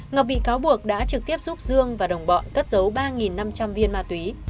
ngọc bị cáo buộc đã trực tiếp giúp dương và đồng bọn cất dấu ba năm trăm linh viên ma túy